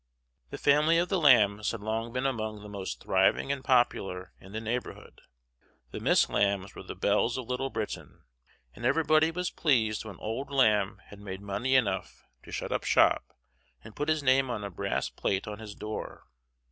The family of the Lambs had long been among the most thriving and popular in the neighborhood: the Miss Lambs were the belles of Little Britain, and everybody was pleased when Old Lamb had made money enough to shut up shop and put his name on a brass plate on his door.